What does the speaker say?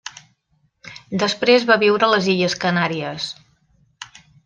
Després va viure a les illes Canàries.